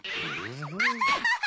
アハハハ！